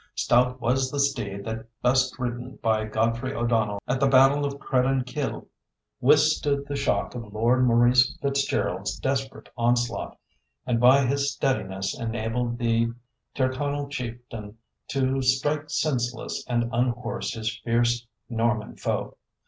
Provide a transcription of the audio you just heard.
Stout was the steed that, bestridden by Godfrey O'Donnell at the battle of Credan Kille, withstood the shock of Lord Maurice Fitzgerald's desperate onslaught, and by his steadiness enabled the Tyrconnell chieftain to strike senseless and unhorse his fierce Norman foe.